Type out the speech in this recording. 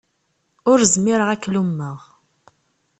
Ur zmireɣ ad k-lummeɣ.